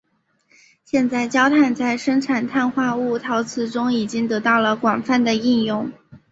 现在焦炭在生产碳化物陶瓷中已经得到了广泛的应用。